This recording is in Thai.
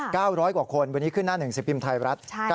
๙๐๐กว่าคนวันนี้ขึ้นหน้าหนึ่งสิทธิ์ปริมไทยรัฐ